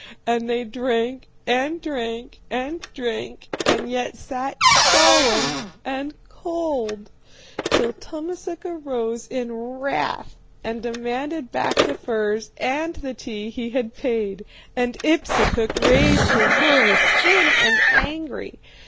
And they drank and drank and drank, and yet sat solemn and cold, till Tummasook arose in wrath and demanded back the furs and the tea he had paid. And Ipsukuk raised her voice, thin and angry.